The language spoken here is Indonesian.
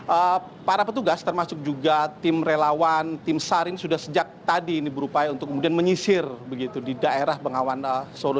eee para petugas termasuk juga tim relawan tim sar ini sudah sejak tadi ini berupaya untuk kemudian menyisir begitu di daerah bengawan solo